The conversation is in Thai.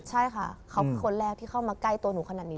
ใช่ค่ะเขาคือคนแรกที่เข้ามาใกล้ตัวหนูขนาดนี้